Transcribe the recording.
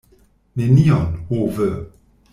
Nenion, ho ve!